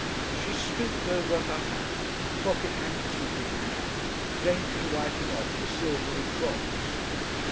She stooped over her hat, pocket handkerchief in hand, daintily wiping off the silvery drops.